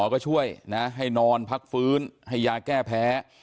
ก็ช่วยนะให้นอนพักฟื้นให้ยาแก้แพ้